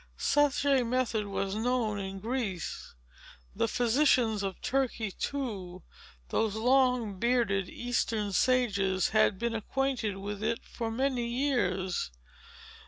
Such a method was known in Greece. The physicians of Turkey, too, those long bearded Eastern sages, had been acquainted with it for many years.